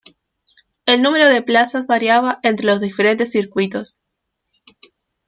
El número de plazas variaba entre los diferentes circuitos.